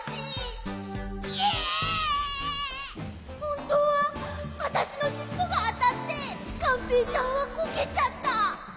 こころのこえほんとうはあたしのしっぽがあたってがんぺーちゃんはこけちゃった。